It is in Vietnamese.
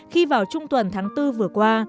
khi vào trung tuần tháng bốn vừa qua